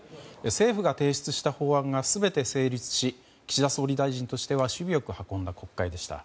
政府が提出した法案が全て成立し岸田総理大臣としては首尾良く運んだ国会でした。